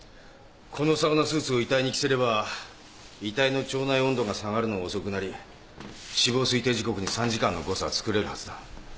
このサウナスーツを遺体に着せれば遺体の腸内温度が下がるのは遅くなり死亡推定時刻に３時間の誤差は作れるはずだ。